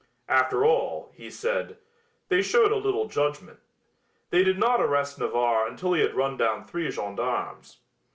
"After all," he said, "they showed a little judgment. They did not arrest Navarre until he had run down three gendarmes."